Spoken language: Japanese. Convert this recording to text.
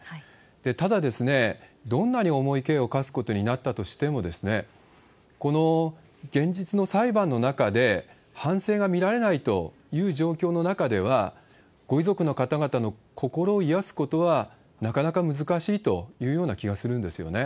ただ、どんなに重い刑を科すことになったとしても、この現実の裁判の中で反省が見られないという状況の中では、ご遺族の方々の心を癒やすことはなかなか難しいというような気がするんですよね。